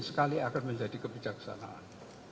sekali akan menjadi kebijaksanaan